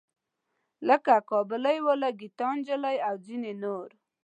لکه کابلی والا، ګیتا نجلي او ځینې نور.